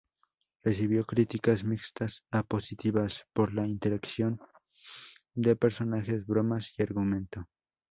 Recibió críticas mixtas a positivas por la interacción de personajes, bromas y argumento.